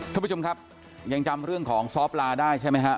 ท่านผู้ชมครับยังจำเรื่องของซ้อปลาได้ใช่ไหมฮะ